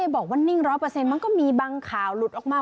บอกว่านิ่ง๑๐๐มันก็มีบางข่าวหลุดออกมา